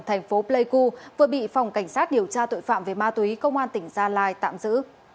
thành phố pleiku vừa bị phòng cảnh sát điều tra tội phạm về ma túy công an tỉnh gia lai tạm giữ